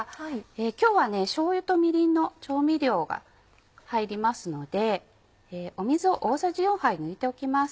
今日はしょうゆとみりんの調味料が入りますので水を大さじ４杯抜いておきます。